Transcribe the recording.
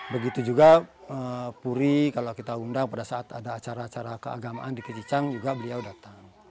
begitu juga puri kalau kita undang pada saat ada acara acara keagamaan di kecicang juga beliau datang